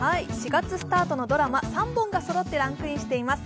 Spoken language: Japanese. ４月スタートのドラマ３本がそろってランクインしています。